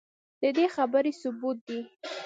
ددې خبرې ثبوت دے